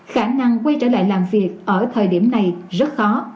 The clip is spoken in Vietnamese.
khả năng quay trở lại làm việc ở thời điểm này rất khó